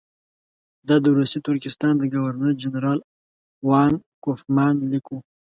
دا د روسي ترکستان د ګورنر جنرال وان کوفمان لیک وو.